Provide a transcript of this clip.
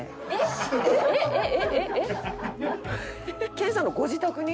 研さんのご自宅に？